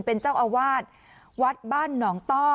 เป็นเจ้าอาวาสวัดบ้านหนองต้อ